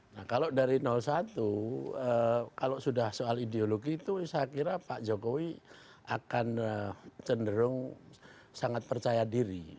nah kalau dari satu kalau sudah soal ideologi itu saya kira pak jokowi akan cenderung sangat percaya diri